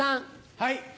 はい。